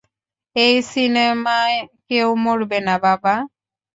এই সিনেমায় কেউ মরবে না, বাবা।